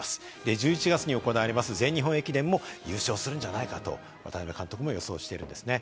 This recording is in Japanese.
１１月に行われます全日本駅伝は優勝するんじゃないかと渡辺監督も予想しているんですね。